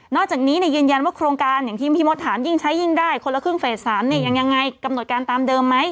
อกจากนี้ยืนยันว่าโครงการอย่างที่พี่มดถามยิ่งใช้ยิ่งได้คนละครึ่งเฟส๓ยังยังไงกำหนดการตามเดิมไหม